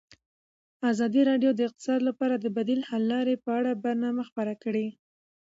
ازادي راډیو د اقتصاد لپاره د بدیل حل لارې په اړه برنامه خپاره کړې.